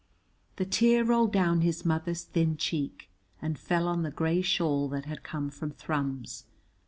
The tear rolled down his mother's thin cheek and fell on the grey shawl that had come from Thrums.